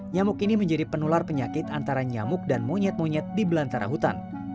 nyamuk ini menjadi penular penyakit antara nyamuk dan monyet monyet di belantara hutan